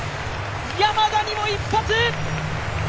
山田にも一発。